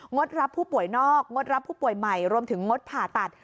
ดรับผู้ป่วยนอกงดรับผู้ป่วยใหม่รวมถึงงดผ่าตัด